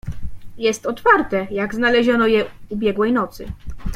"Jest otwarte, jak znaleziono je ubiegłej nocy."